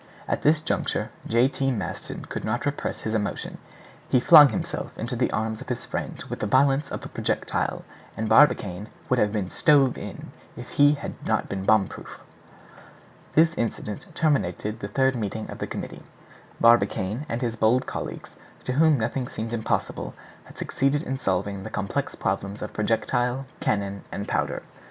At this juncture J. T. Maston could not repress his emotion; he flung himself into the arms of his friend with the violence of a projectile, and Barbicane would have been stove in if he had not been boom proof. This incident terminated the third meeting of the committee. Barbicane and his bold colleagues, to whom nothing seemed impossible, had succeeding in solving the complex problems of projectile, cannon, and powder.